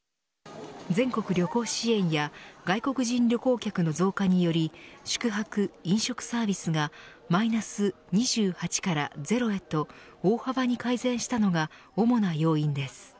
全国旅行支援や外国人旅行客の増加により宿泊、飲食サービスがマイナス２８から０へと大幅に改善したのが主な要因です。